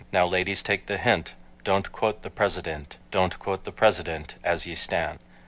Now, ladies, take the hint, Don't quote the Presidint, Don't quote the Presidint, as ye stand.